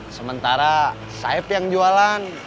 sementara saeb yang jualan